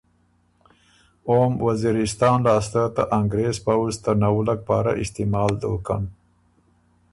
اوم وزیرِستان لاسته ته انګریز پؤځ ته نوُلک پاره استعمال دوکن